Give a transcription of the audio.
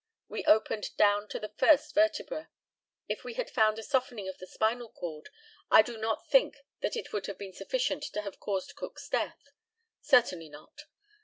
We opened down to the first vertebra. If we had found a softening of the spinal cord, I do not think that it would have been sufficient to have caused Cook's death; certainly not.